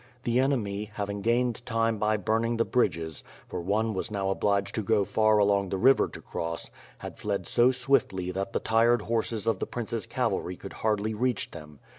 The enemy hav ing gained time by burning the bridges, for one was now obliged to go far along the* river to cross, had fled so swiftly that the tired horses of the prince's cavalry could hardly reach them.